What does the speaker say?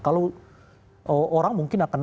kalau orang mungkin akan